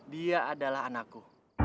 dia adalah anakku